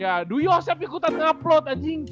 ya duyosep ikutan ngeupload anjing